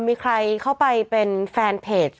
มีใครเข้าไปเป็นแฟนเพจ